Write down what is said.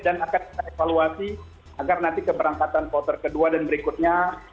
dan akan kita evaluasi agar nanti keberangkatan kota kedua dan berikutnya